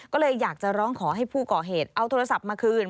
ก็เลยอยากจะร้องขอให้ผู้ก่อเหตุเอาโทรศัพท์มาคืน